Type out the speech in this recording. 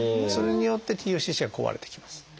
それによってＴＦＣＣは壊れていきます。